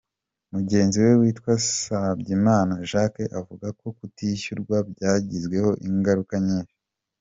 Mugenzi we witwa Musabyimana Jack avuga ko kutishyurwa byabagizeho ingaruka nyinshi.